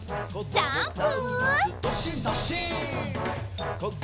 ジャンプ！